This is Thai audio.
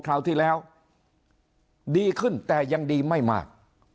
คราวที่แล้วดีขึ้นแต่ยังดีไม่มาก